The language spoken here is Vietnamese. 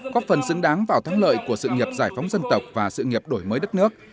có phần xứng đáng vào thắng lợi của sự nghiệp giải phóng dân tộc và sự nghiệp đổi mới đất nước